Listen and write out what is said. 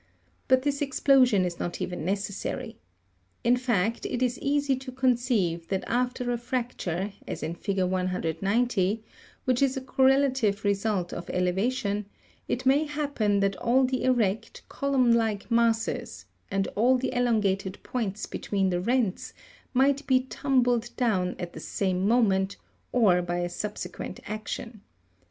But this explosion is not even necessary. In fact it is easy to conceive that after a fracture, as in fig. 190, which is a correlative result of ele vation, it may happen that all the erect, eolumri like masses, and all the elongated points between the rents, might be tumbled down at the same moment, or by a subsequent action.